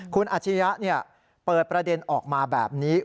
คุณอาชียะเปิดประเด็นออกมาแบบนี้